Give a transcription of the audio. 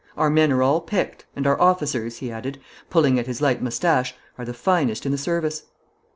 Our men are all picked, and our officers,' he added, pulling at his light moustache, 'are the finest in the service.'